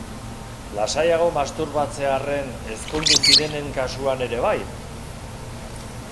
Lasaiago masturbatzearren ezkondu zirenen kasuan ere bai?